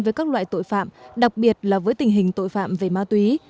với các loại tội phạm đặc biệt là với tình hình tội phạm về ma túy